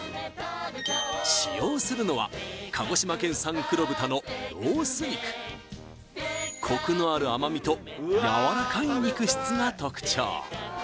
使用するのは鹿児島県産黒豚のロース肉コクのある甘みとやわらかい肉質が特徴